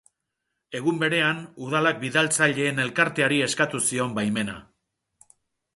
Egun berean, Udalak bidaltzaileen elkarteari eskatu zion baimena.